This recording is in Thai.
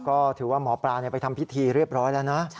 ก็ถือว่าหมอปลาไปทำพิธีเรียบร้อยแล้วนะ